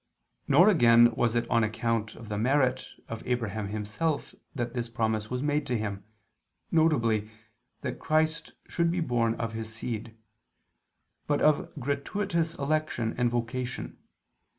Nor again was it on account of the merit of Abraham himself that this promise was made to him, viz. that Christ should be born of his seed: but of gratuitous election and vocation.